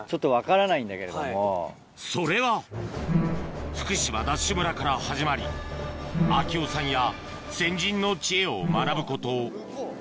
それは福島ＤＡＳＨ村から始まり明雄さんや先人の知恵を学ぶこと